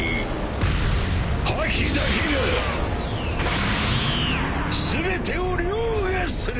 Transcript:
覇気だけが全てを凌駕する！